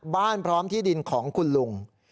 พร้อมที่ดินของคุณลุง